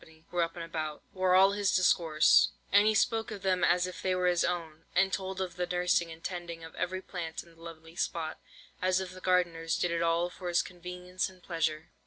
were up and about, were all his discourse; and he spoke of them as if they were his own, and told of the nursing and tending of every plant in the lovely spot, as if the gardeners did it all for his convenience and pleasure.